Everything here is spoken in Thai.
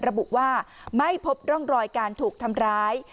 ระบุว่าไม่พบร่องรอยการถูกทำร้าย